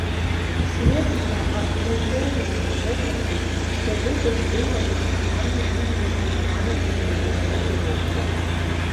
Следства абгрунтоўвае гэта тым, што выбух быў падрыхтаваны мэтанакіравана для забойства кіроўцы.